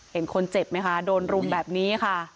เห็นคนเจ็บไหมคะโดนรุมแบบนี้ค่ะ